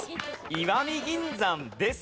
石見銀山ですが。